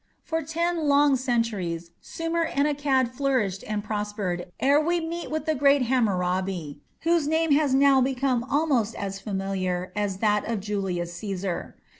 For ten long centuries Sumer and Akkad flourished and prospered ere we meet with the great Hammurabi, whose name has now become almost as familiar as that of Julius Caesar.